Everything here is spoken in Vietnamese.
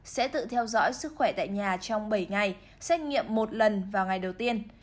sẽ tự theo dõi sức khỏe tại nhà trong bảy ngày xét nghiệm một lần vào ngày đầu tiên